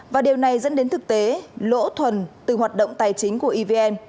và điều này dẫn đến thực tế lỗ thuần từ hoạt động tài chính của evn